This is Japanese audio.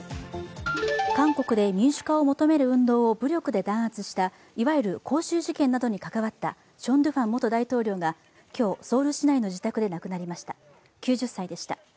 韓国で民主化を求める運動を武力で弾圧したいわゆる光州事件などに関わったチョン・ドゥファン元大統領が今日、ソウル市内の自宅で亡くなりました、９０歳でした。